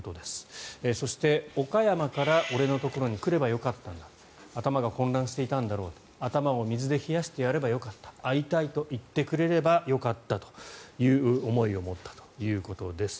そして、岡山から俺のところに来ればよかったんだ頭が混乱していたんだろう頭を水で冷やしてやればよかった会いたいと言ってくれればよかったという思いを持ったということです。